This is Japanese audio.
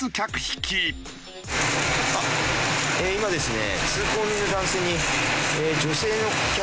今ですね。